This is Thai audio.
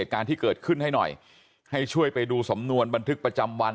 การที่เกิดขึ้นให้หน่อยให้ช่วยไปดูสำนวนบันทึกประจำวัน